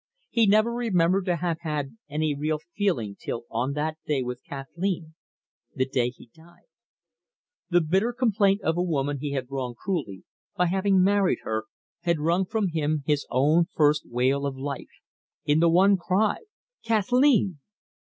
He never remembered to have had any real feeling till on that day with Kathleen the day he died. The bitter complaint of a woman he had wronged cruelly, by having married her, had wrung from him his own first wail of life, in the one cry "Kathleen!"